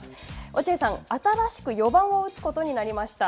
落合さん、新しく４番を打つことになりました。